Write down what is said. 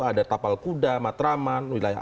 ada tapal kuda matraman wilayah